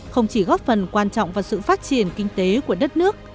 không chỉ góp phần quan trọng vào sự phát triển kinh tế của đất nước